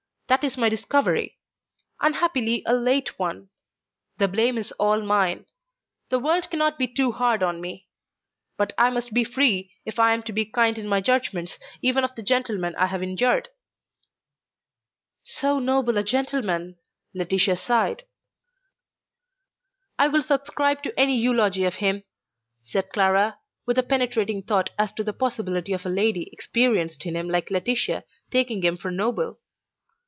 That is my discovery; unhappily a late one. The blame is all mine. The world cannot be too hard on me. But I must be free if I am to be kind in my judgements even of the gentleman I have injured." "So noble a gentleman!" Laetitia sighed. "I will subscribe to any eulogy of him," said Clara, with a penetrating thought as to the possibility of a lady experienced in him like Laetitia taking him for noble.